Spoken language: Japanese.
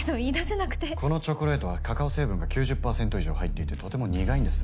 このチョコレートはカカオ成分が９０％以上入っていてとても苦いんです。